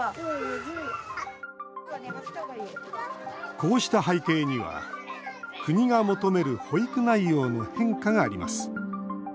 こうした背景には、国が求める保育内容の変化があります。